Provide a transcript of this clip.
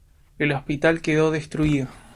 El hospital quedó destruido.